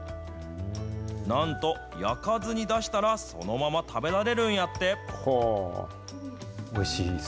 なんと、焼かずに出したら、そのまま食べられるんやって。